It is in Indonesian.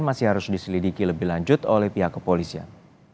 masih harus diselidiki lebih lanjut oleh pihak kepolisian